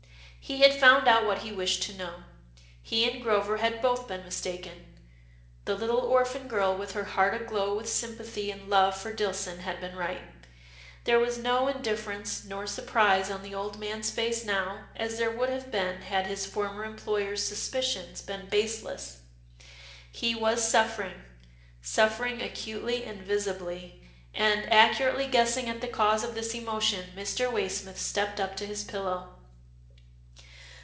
He had found out what he wished to know. He and Grover had both been mistaken. The little orphan girl, with her heart aglow with sympathy and love for Dillson, had been right. There was no indifference nor surprise on the old man's face now, as there would have been had his former em ployer's suspicion been baseless. He was suffering — suffering acutely and visibly, and, accurately guessing at the cause of this emotion, Mr. Way smith stepped up to his pillow.